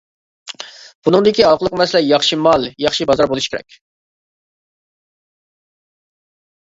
بۇنىڭدىكى ھالقىلىق مەسىلە ياخشى مال، ياخشى بازار بولۇشى كېرەك.